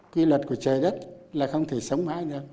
quy luật của trời đất là không thể sống mãi được